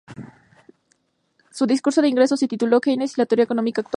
Su discurso de ingreso se tituló "Keynes y la teoría económica actual".